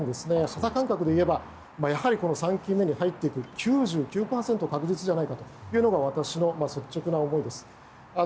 肌感覚でいうと３期目に入ってくるのが９９％確実じゃないかというのが私の率直な思いです。